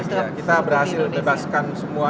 masalah klasik ya kita berhasil bebaskan semua